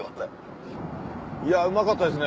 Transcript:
いやうまかったですね。